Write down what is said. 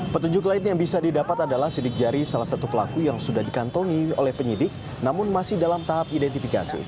petunjuk lain yang bisa didapat adalah sidik jari salah satu pelaku yang sudah dikantongi oleh penyidik namun masih dalam tahap identifikasi